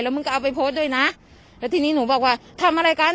มึงก็เอาไปโพสต์ด้วยนะแล้วทีนี้หนูบอกว่าทำอะไรกัน